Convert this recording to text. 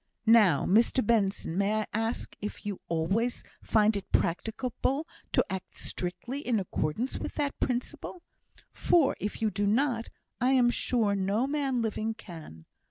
Now, Mr Benson, may I ask, if you always find it practicable to act strictly in accordance with that principle? For if you do not, I am sure no man living can!